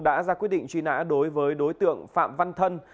đã ra quyết định truy nã đối với đối tượng phạm văn thân